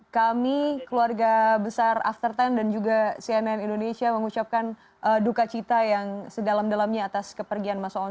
kami keluarga besar after sepuluh dan juga cnn indonesia mengucapkan duka cita yang sedalam dalamnya atas kepergian mas oon